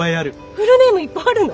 フルネームいっぱいあるの？